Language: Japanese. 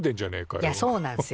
いやそうなんすよ。